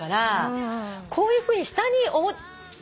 こういうふうに下に。